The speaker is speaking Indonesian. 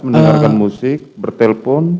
mendengarkan musik bertelpon